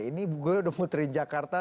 ini gue udah muterin jakarta